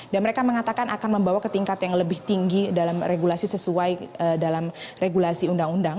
dan mereka mengatakan akan membawa ke tingkat yang lebih tinggi dalam regulasi sesuai dalam regulasi undang undang